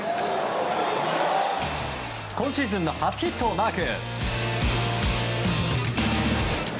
今シーズンの初ヒットをマーク。